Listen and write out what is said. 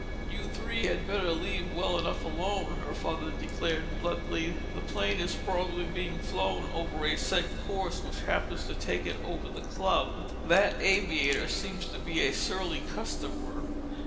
"You three had better leave well enough alone," her father declared bluntly. "The plane is probably being flown over a set course which happens to take it over the club. That aviator seems to be a surly customer.